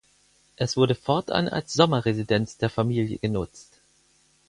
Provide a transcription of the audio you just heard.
Es wurde fortan als Sommerresidenz der Familie genutzt.